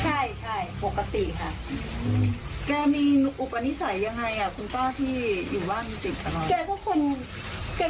คุณป้าที่อยู่บ้านแกก็คนแกก็ดีน่ะไม่เห็น